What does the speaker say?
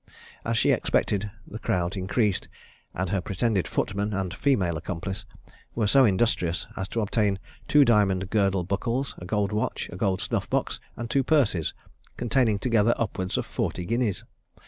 As she expected, the crowd increased, and her pretended footman, and a female accomplice, were so industrious as to obtain two diamond girdle buckles, a gold watch, a gold snuff box, and two purses, containing together upwards of forty guineas.